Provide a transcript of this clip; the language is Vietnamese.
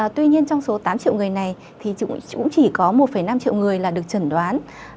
tuy nhiên trong số tám triệu người này chỉ có một năm triệu người được chẩn đoán